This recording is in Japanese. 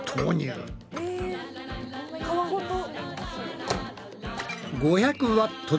え皮ごと。